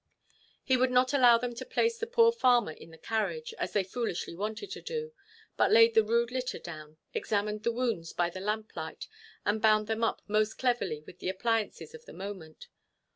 He would not allow them to place the poor farmer in the carriage, as they foolishly wanted to do; but laid the rude litter down, examined the wounds by the lamplight, and bound them up most cleverly with the appliances of the moment.